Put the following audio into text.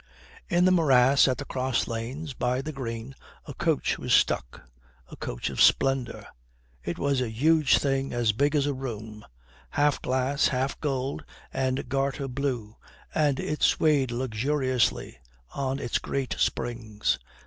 In the morass at the cross lanes by the green, a coach was stuck a coach of splendour. It was a huge thing as big as a room, half glass, half gold and garter blue, and it swayed luxuriously on its great springs.